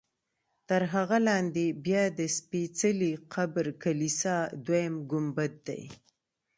تر هغه لاندې بیا د سپېڅلي قبر کلیسا دویم ګنبد دی.